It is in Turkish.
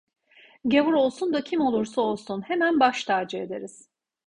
Gavur olsun da kim olursa olsun. Hemen baş tacı ederiz.